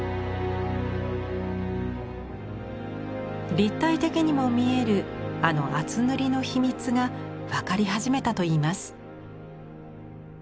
立体的にも見えるあの厚塗りの秘密が分かりはじめたと言います。